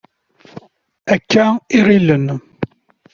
Akka i ɣilen.